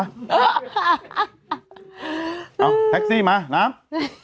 เอาแท็กซี่มาน้ำ